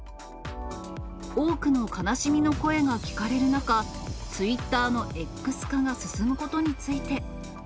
多くの悲しみの声が聞かれる中、ツイッターのＸ化が進むことについて。